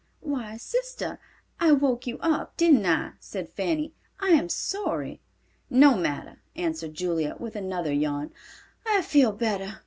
"Why, sister, I woke you up, didn't I?" said Fanny. "I am sorry." "No matter," answered Julia, with another yawn, "I feel better.